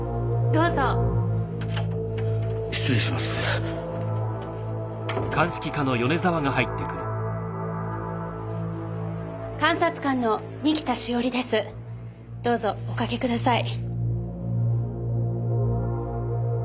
どうぞおかけください。